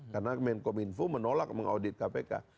karena menkom info menolak mengaudit kpk